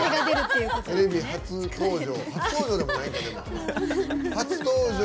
テレビ初登場。